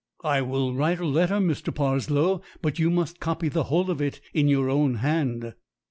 "I will write a letter, Mr. Parslow, but you must copy the whole of it in your own hand."